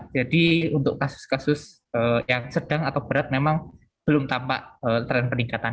jadi untuk kasus kasus yang sedang atau berat memang belum tampak